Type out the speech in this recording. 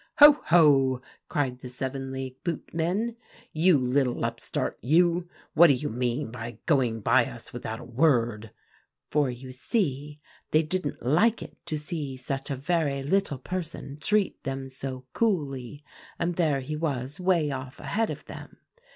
"'Ho, ho!' cried the seven league boot men, 'you little upstart, you, what do you mean by going by us without a word;' for you see they didn't like it to see such a very little person treat them so coolly, and there he was way off ahead of them.